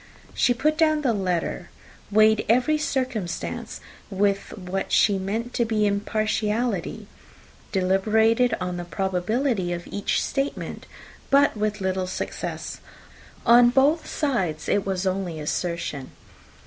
She put down the letter, weighed every circumstance with what she meant to be impartiality deliberated on the probability of each statement but with little success. On both sides it was only assertion.